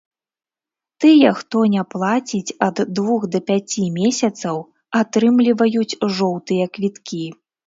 Тыя, хто не плаціць ад двух да пяці месяцаў, атрымліваюць жоўтыя квіткі.